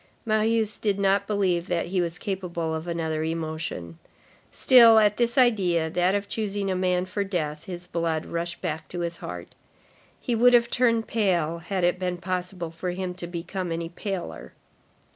Marius did not believe that he was capable of another emotion. Still, at this idea, that of choosing a man for death, his blood rushed back to his heart. He would have turned pale, had it been possible for him to become any paler.